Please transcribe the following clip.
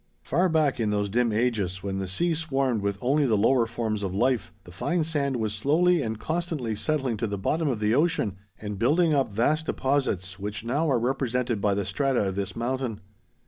Far back in those dim ages when the sea swarmed with only the lower forms of life, the fine sand was slowly and constantly settling to the bottom of the ocean and building up vast deposits which now are represented by the strata of this mountain.